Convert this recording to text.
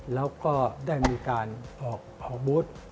แล้วก็ได้มีการออกอาวุธ